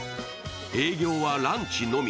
営業はランチのみ。